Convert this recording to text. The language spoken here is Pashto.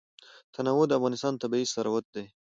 تنوع د افغانستان طبعي ثروت دی.